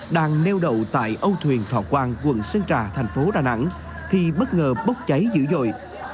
đang neo đậu tại âu thuyền thọ quang quận sơn trà thành phố đà nẵng thì bất ngờ bốc cháy dữ dội